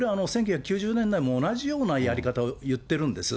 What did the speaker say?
これ１９９０年代も同じようなやり方をいってるんです。